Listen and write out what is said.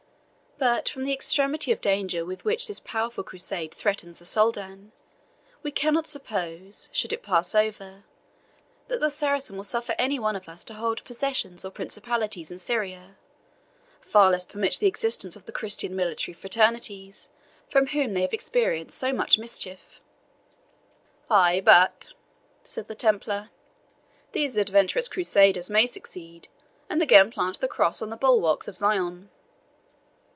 But from the extremity of danger with which this powerful Crusade threatens the Soldan, we cannot suppose, should it pass over, that the Saracen will suffer any one of us to hold possessions or principalities in Syria, far less permit the existence of the Christian military fraternities, from whom they have experienced so much mischief." "Ay, but," said the Templar, "these adventurous Crusaders may succeed, and again plant the Cross on the bulwarks of Zion."